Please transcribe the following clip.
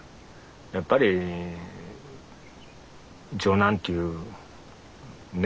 やっぱり長男っていうね